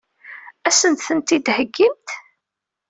Ad sent-tent-id-theggimt?